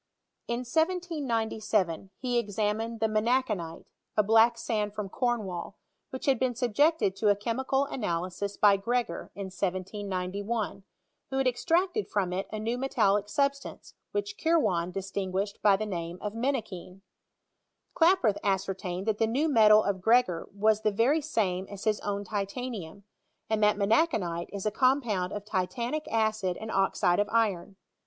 In 1797 he examined the menachanite, a black sand from Cornwall, which had been subjected to a chemical analysis by Gre°;or, in 1791, tvho had estracted from it a new metallic substance, which Kirwan distinguished by the name of mettackiiM. Klaproth ascertained that the new tnetal of Gregor iras the very same as hia own titanium, and that menacbanite is a compound of titanic acid and oxide of iron.